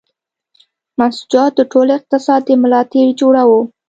منسوجات د ټول اقتصاد د ملا تیر جوړاوه.